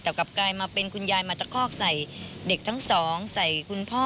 แต่กลับกลายมาเป็นคุณยายมาตะคอกใส่เด็กทั้งสองใส่คุณพ่อ